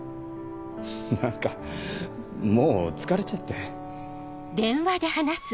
何かもう疲れちゃって。